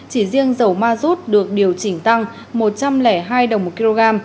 chỉ riêng dầu ma rút được điều chỉnh tăng một trăm linh hai đồng một kg